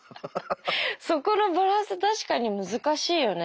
そこのバランス確かに難しいよね。